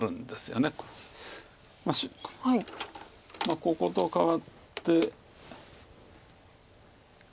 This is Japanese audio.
ここと換わって。